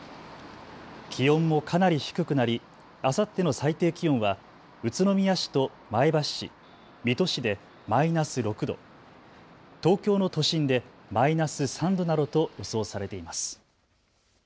気温もかなり低くなりあさっての最低気温は宇都宮市と前橋市、水戸市でマイナス６度、東京の都心でマイナス３度などと予想されています。